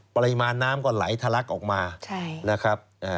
ปริมาณน้ำก็ไหลทะลักออกมานะครับ